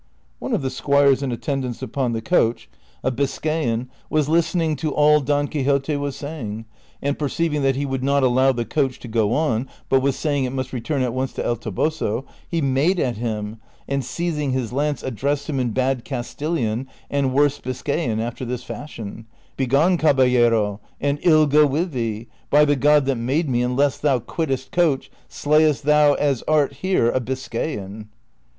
One of the squires in attendance upon the coach, a Biscayan, was listening to all Don Quixote was saying, and, perceiving that he would not allow the coach to go on, but was saying it must return at once to El Toboso, he made at him, and seizing his lance addressed him in bad Castilian and worse Biscayan ^ after this fashion, " Begone, caballero, and ill go with thee ; i)y the God that made me, unless thou quittest coach, slayest thee as art here a Biscayan."